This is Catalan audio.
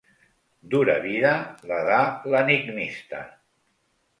Dura vida, la de l'enigmista.